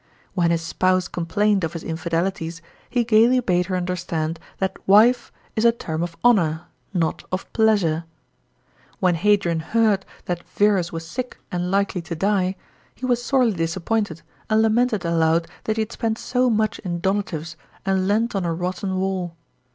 When his spouse complained of his infidelities, he gaily bade her understand that wife is a term of honour, not of pleasure." * When Hadrian, heard that Verus was sick and likely to die, he was sorely disappointed, and lamented aloud that he had spent so much in donatives and leant on a rotten wall.